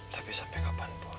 tapi sampai kapanpun